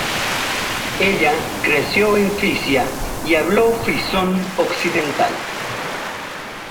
Ella creció en Frisia y habló frisón occidental.